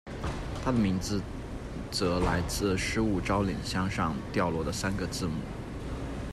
他的名字则来自失物招领箱上掉落的三个字母。